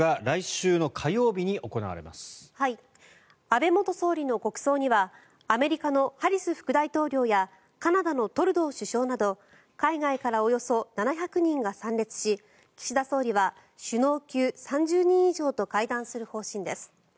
安倍元総理の国葬にはアメリカのハリス副大統領やカナダのトルドー首相など海外からおよそ７００人が参列し岸田総理は首脳級３０人以上と会談する方針です。